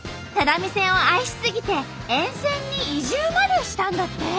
只見線を愛し過ぎて沿線に移住までしたんだって。